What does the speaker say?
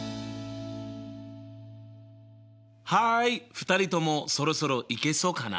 ２人ともそろそろいけそうかな？